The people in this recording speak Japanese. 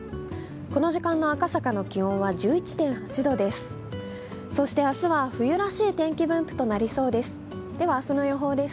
この時間の赤坂の気温は１１．８度です。